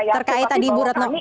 terkait tadi bu retno